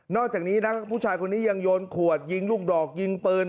อกจากนี้นะผู้ชายคนนี้ยังโยนขวดยิงลูกดอกยิงปืน